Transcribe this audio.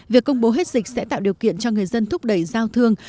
việc công bố hết dịch sẽ tạo điều kiện cho người dân thúc đẩy giao thương